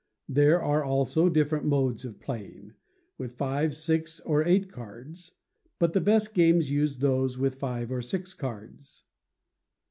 There are also different modes of playing with five, six, or eight cards; but the best games use those with five or six cards.